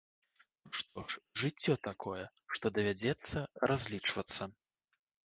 Ну што ж, жыццё такое, што давядзецца разлічвацца.